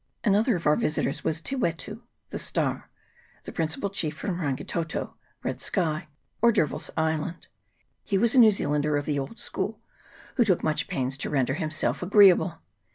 Another of our visitors was Te Wetu (the Star), the principal chief from Rangitoto (Red Sky), or D'Urville's Island. He was a New Zealander of the old school, who took much pains to render himself agreeable.